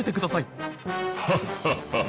ハッハッハ！